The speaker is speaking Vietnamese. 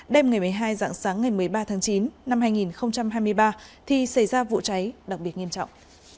đêm ngày một mươi hai dạng sáng ngày một mươi ba tháng chín năm hai nghìn hai mươi ba thì xảy ra vụ cháy đặc biệt nghiêm trọng